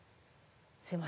すいません